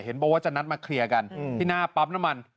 บอกว่าจะนัดมาเคลียร์กันที่หน้าปั๊มน้ำมัน